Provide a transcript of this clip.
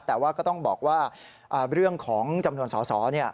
ได้ค่ะแต่ว่าก็ต้องบอกว่าเรื่องของจำนวนสอเนี่ย